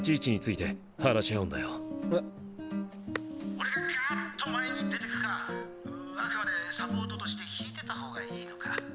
「俺が“ガッ”と前に出てくかあくまでサポートとして引いてたほうがいいのか」。